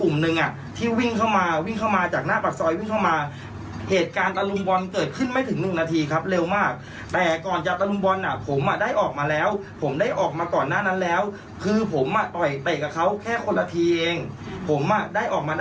มาตรวจการดูวิวเกี่ยวกับหัวหน้าที่เครื่องนี้